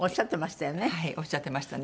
おっしゃってましたよね。